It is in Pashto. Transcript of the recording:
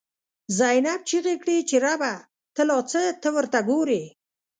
«زینب» چیغی کړی چه ربه، ته لا څه ته ورته گوری